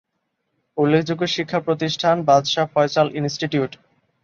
উল্লেখযোগ্য শিক্ষা প্রতিষ্ঠান: বাদশাহ ফয়সাল ইনস্টিটিউট।